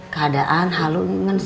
keadaan halu nganis nih gue gak ngerti